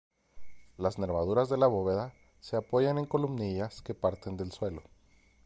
Las nervaduras de la bóveda se apoyan en columnillas que parten del suelo.